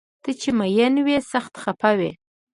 ته چې مین وي سخت خفه وي